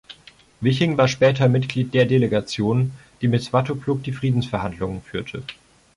Wiching war später Mitglied der Delegation, die mit Svatopluk die Friedensverhandlungen führte.